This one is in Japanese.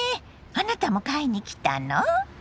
あなたも買いに来たの？